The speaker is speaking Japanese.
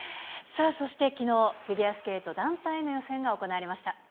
さあ、そしてきのう、フィギュアスケート団体の予選が行われました。